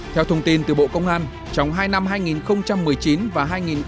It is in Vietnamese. theo thông tin từ bộ công an trong hai năm hai nghìn một mươi chín và hai nghìn hai mươi